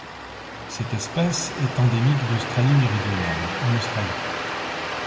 Cette espèce est endémique d'Australie-Méridionale en Australie.